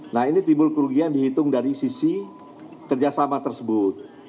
nah ini timbul kerugian dihitung dari sisi kerjasama tersebut